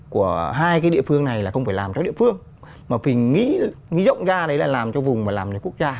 của hai cái địa phương này là không phải làm cho địa phương mà mình nghĩ rộng ra đấy là làm cho vùng mà làm cho quốc gia